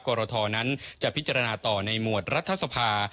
กรทนั้นจะพิจารณาต่อในหมวดรัฐสภา